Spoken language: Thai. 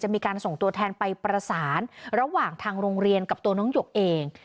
มีการส่งตัวแทนไปประสานระหว่างทางโรงเรียนกับตัวน้องหยกเอง